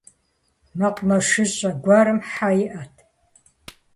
Мэкъумэшыщӏэ гуэрым хьэ иӏэт.